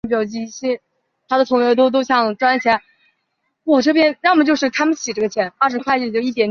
同受士人学子尊奉。